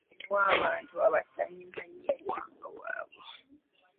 Waliwo abantu abatamanyi buwangwa bwabwe.